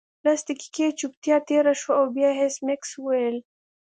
لس دقیقې چوپتیا تیره شوه او بیا ایس میکس وویل